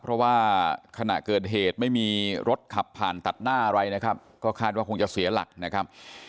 เพราะว่าขณะเกิดเหตุไม่มีรถขับผ่านตัดหน้าอะไรนะครับก็คาดว่าคงจะเสียหลักนะครับ